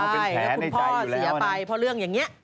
คุณพ่อเสียไปเพราะเรื่องอย่างนี้